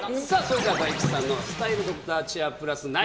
さぁそれでは大吉さんのスタイルドクターチェアプラス。